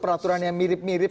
peraturan yang mirip mirip